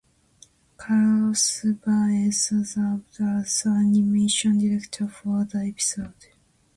Carlos Baeza served as animation director for the episode.